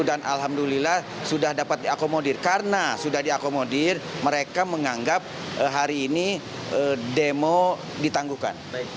dan alhamdulillah sudah dapat diakomodir karena sudah diakomodir mereka menganggap hari ini demo ditangguhkan